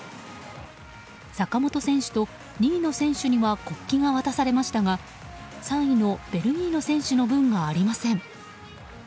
坂本選手と２位の選手には国旗が渡されましたが３位のベルギーの選手の分がありません。